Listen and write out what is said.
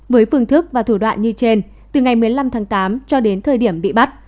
với phương thức và thủ đoạn như trên từ ngày một mươi năm tháng tám cho đến thời điểm bị bắt